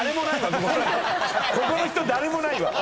ここの人誰もないわ！